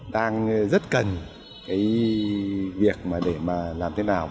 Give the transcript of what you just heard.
đang rất cần cái việc mà để mà làm thế nào